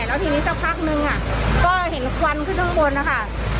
แล้วทีนี้สักพักนึงก็เห็นควันขึ้นข้างบนนะคะ